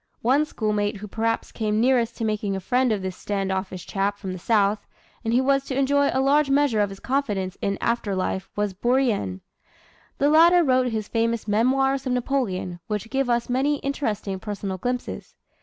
One schoolmate who perhaps came nearest to making a friend of this stand offish chap from the South, and who was to enjoy a large measure of his confidence in after life was Bourrienne. The latter wrote his famous "Memoirs of Napoleon," which give us many interesting personal glimpses.